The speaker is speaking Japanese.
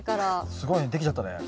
すごいねできちゃったね。